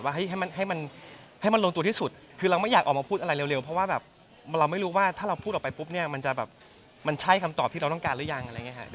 ว่าให้มันลงตัวที่สุดคือเราไม่อยากออกมาพูดอะไรเร็วเพราะว่าเราไม่รู้ว่าถ้าเราพูดออกไปปุ๊บเนี่ยมันใช่คำตอบที่เราต้องการหรือยัง